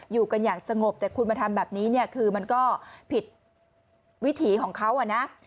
อยู่กันอย่างสงบแต่คุณมาทำแบบนี้เนี่ยคือมันก็ผิดวิถีของเขาอ่ะนะ